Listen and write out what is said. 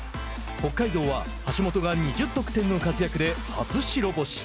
北海道は橋本が２０得点の活躍で初白星。